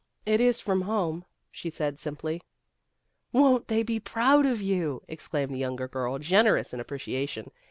" It is from home," she said simply. " Won't they be proud of you !" ex claimed the younger girl, generous in appreciation.